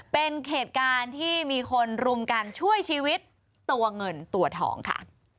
เป็นเหตุการณ์ที่มีคนรุมกันช่วยชีวิตตัวเงินตัวทองค่ะ